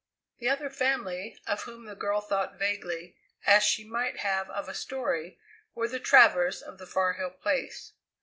The other family, of whom the girl thought vaguely, as she might have of a story, were the Travers of the Far Hill Place.